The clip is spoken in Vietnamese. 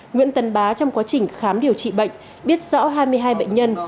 nguyễn tấn bá trong quá trình khám điều trị bệnh biết rõ hai mươi hai bệnh nhân